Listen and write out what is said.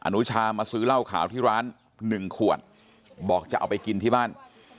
นุชามาซื้อเหล้าขาวที่ร้าน๑ขวดบอกจะเอาไปกินที่บ้าน